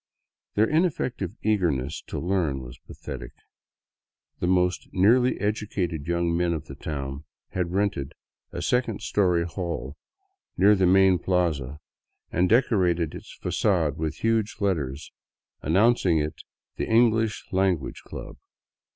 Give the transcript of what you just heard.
Their ineffective eagerness to learn was pathetic. The most nearly educated young men of the town had rented a second story hall near the main plaza and decorated its facade with huge letters announcing it the " English Language Club."